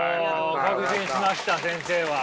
お確信しました先生は。